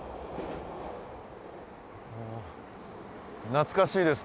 懐かしいです。